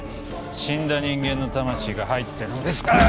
死んだ人間の魂が入ってるんですから！